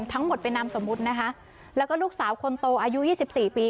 ทั้งหมดเป็นนามสมมุตินะคะแล้วก็ลูกสาวคนโตอายุยี่สิบสี่ปี